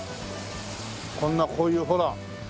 こんなこういうほら。